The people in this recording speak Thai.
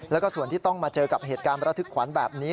แล้วก็ส่วนที่ต้องมาเจอกับเหตุการณ์ประทึกขวัญแบบนี้